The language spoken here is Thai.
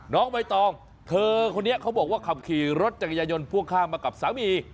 น้องใบตองเธอคนนี้เขาบอกว่าขับขี่รถจักรยายนพ่วงข้างมากับสามี